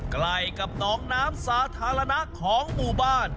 ใกล้กับหนองน้ำสาธารณะของหมู่บ้าน